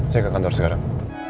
saya ke kantor sekarang